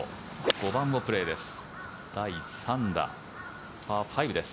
５番のプレーです。